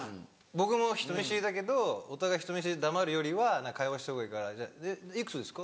僕も人見知りだけどお互い人見知りで黙るよりは会話したほうがいいから「いくつですか？」